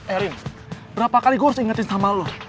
eh rin berapa kali gue harus ingetin sama lo